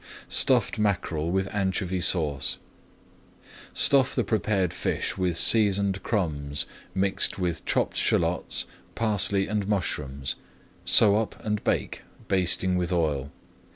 STUFFED MACKEREL WITH ANCHOVY SAUCE Stuff the prepared fish with seasoned crumbs mixed with chopped shallots, parsley, and mushrooms. Sew up and bake, basting with oil.